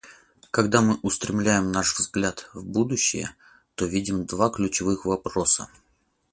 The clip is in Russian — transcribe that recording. Когда мы устремляем наш взгляд в будущее, то видим два ключевых вопроса.